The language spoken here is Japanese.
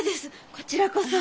こちらこそ。